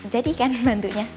jadi kan bantunya